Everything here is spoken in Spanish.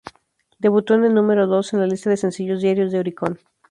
Debutó en el número dos en la lista de sencillos diarios de Oricon.